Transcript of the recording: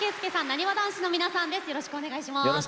なにわ男子の皆さんです。